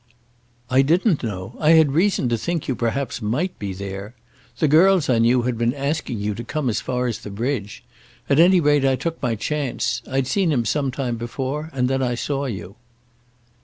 "I didn't know. I had reason to think you perhaps might be there. The girls I knew had been asking you to come as far as the bridge. At any rate I took my chance. I'd seen him some time before, and then I saw you."